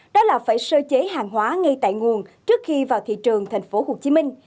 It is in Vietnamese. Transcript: đó là phải sơ chế hàng hóa ngay tại nguồn trước khi vào thị trường tp hcm